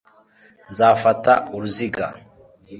nzafata uruziga